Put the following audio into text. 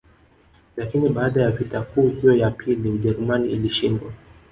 Lakini baada ya vita kuu hiyo ya pili Ujerumani ilishindwa